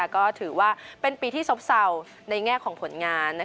ก็ถือว่าเป็นปีที่ซบเศร้าในแง่ของผลงาน